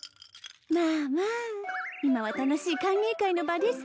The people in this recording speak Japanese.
まあまあ今は楽しい歓迎会の場です